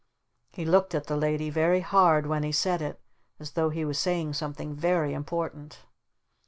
He looked at the Lady very hard when he said it as though he was saying something very important.